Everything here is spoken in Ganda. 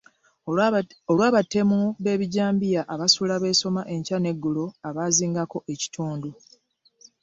Olw'abatemu b'ebijambiya abasula beesoma enkya n'eggulo abaazingako ekitundu.